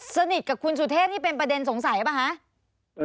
สนิทกับคุณสุเทพนี่เป็นประเด็นสงสัยหรือเปล่าคะ